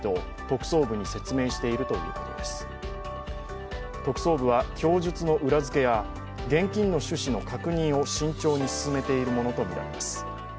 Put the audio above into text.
特捜部は供述の裏付けや現金の趣旨の確認を慎重に進めているものとみられます。